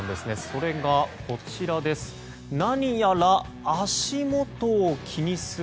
それが、こちらです。